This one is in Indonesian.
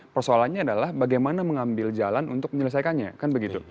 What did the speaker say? persoalannya adalah bagaimana mengambil jalan untuk menyelesaikannya kan begitu